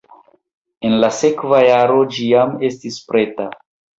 En la sekva jaro ĝi jam estis preta.